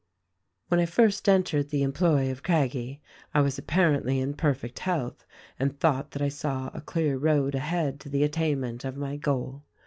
"When I first entered the employ of Craggie I was apparently in perfect health and thought that I saw a clear road ahead to the attainment of my goal.